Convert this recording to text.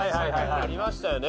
ありましたよね。